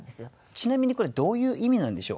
ちなみにこれどういう意味なんでしょう？